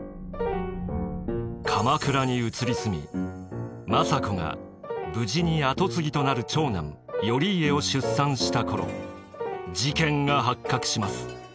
鎌倉に移り住み政子が無事に跡継ぎとなる長男頼家を出産した頃事件が発覚します。